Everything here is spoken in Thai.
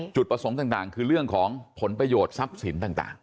จุดประสงค์ต่างคือเรื่องของผลประโยชน์ทรัพย์สินต่าง